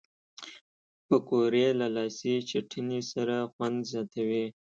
پکورې له لاسي چټني سره خوند زیاتوي